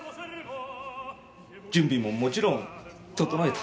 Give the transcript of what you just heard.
準備ももちろん整えた。